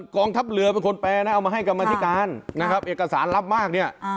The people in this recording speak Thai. กองทัพเรือเป็นคนแปลนะเอามาให้กรรมธิการนะครับเอกสารรับมากเนี่ย